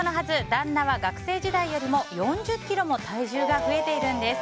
旦那は学生時代よりも４０ｋｇも体重が増えているんです。